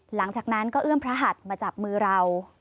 หลังจากนั้นก็เอื้อมพระหัดมาจับมือเรา